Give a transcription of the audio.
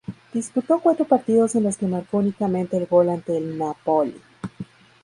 Disputó cuatro partidos en los que marcó únicamente el gol ante el Napoli.